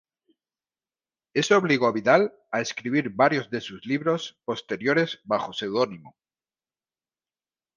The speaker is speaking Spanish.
Esto obligó a Vidal a escribir varios de sus libros posteriores bajo seudónimo.